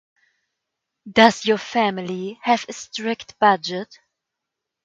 Does your family have a strict budget?